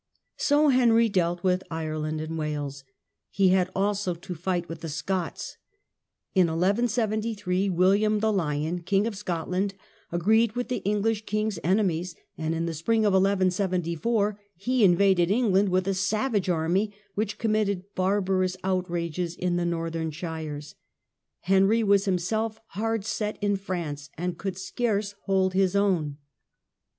So Henry dealt with Ireland and Wales. He had also to fight with the Scots. In 1173 William the Lion, King of Scotland, agreed with the English king's enemies, and in the spring of 1 174 he invaded England with jhe capture a savage army, which committed barbarous °jf^."„ outrages in the northern shires. Henry was King of Scots, himself hardset in France and could scarce ''74 hold his own.